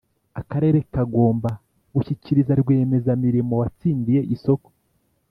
Akarere kagomba gushyikiriza Rwiyemezamirimo watsindiye isoko